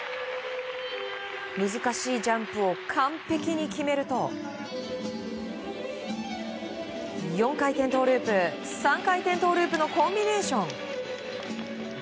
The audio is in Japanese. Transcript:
難しいジャンプを完璧に決めると４回転トウループ３回転トウループのコンビネーション。